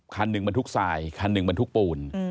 คันหนึ่งบรรทุกทรายคันหนึ่งบรรทุกปูน